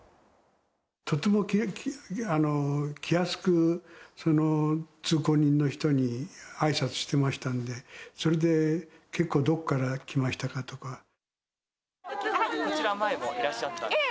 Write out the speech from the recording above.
とても気安く通行人の人にあいさつしてましたんで、それで結構、こちら、前もいらっしゃったんですか？